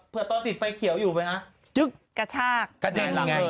เผื่อต้นติดไฟเขียวอยู่ไปอ่ะจุ๊กกระชากแบดลังเลย